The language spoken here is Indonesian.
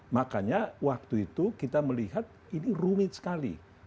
makanya waktu itu kita melihat ini rumit sekali